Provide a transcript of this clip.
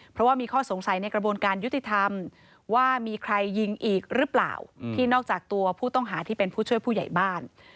เพราะว่ามีข้อสงสัยในกระบวนการยุติธรรมว่ามีใครยิงอีกหรือเปล่าที่นอกจากตัวผู้ต้องหาที่เป็นผู้ช่วยผู้ใหญ่บ้าน